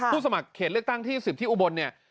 สมัครเขตเลือกตั้งที่๑๐ที่อุบลเนี่ย